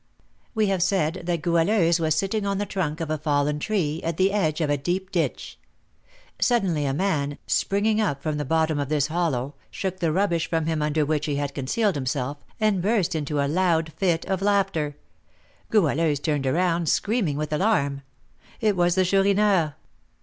We have said that Goualeuse was sitting on the trunk of a fallen tree, at the edge of a deep ditch. Suddenly a man, springing up from the bottom of this hollow, shook the rubbish from him under which he had concealed himself, and burst into a loud fit of laughter. Goualeuse turned around, screaming with alarm. It was the Chourineur.